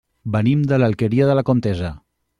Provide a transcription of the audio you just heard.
Venim de l'Alqueria de la Comtessa.